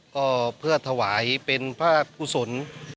ก็เพื่อถวายเป็นพระครูสน